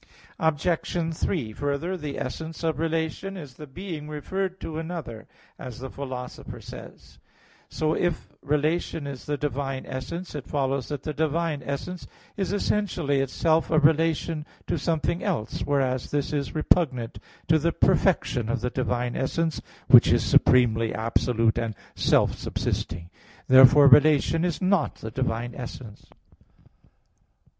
Obj. 3: Further, the essence of relation is the being referred to another, as the Philosopher says (Praedic. v). So if relation is the divine essence, it follows that the divine essence is essentially itself a relation to something else; whereas this is repugnant to the perfection of the divine essence, which is supremely absolute and self subsisting (Q. 3, A. 4). Therefore relation is not the divine essence.